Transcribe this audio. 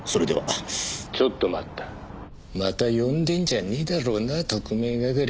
「ちょっと待った」また呼んでんじゃねえんだろうな特命係。